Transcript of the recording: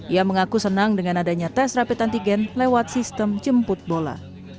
ia mengaku senang dengan adanya tes rapid antigen lewat sistem jemput bola